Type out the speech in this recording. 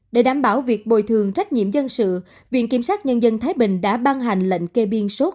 để đảm bảo việc bồi thường trách nhiệm dân sự viện kiểm sát nhân dân thái bình đã ban hành lệnh kê biên số